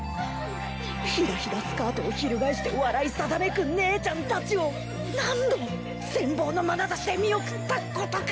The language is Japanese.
ひだひだスカートを翻して笑いさざめく姉ちゃんたちを何度羨望のまなざしで見送ったことか。